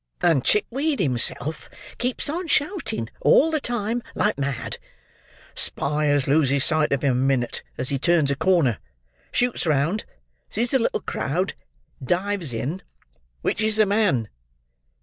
and Chickweed himself keeps on shouting, all the time, like mad. Spyers loses sight of him a minute as he turns a corner; shoots round; sees a little crowd; dives in; 'Which is the man?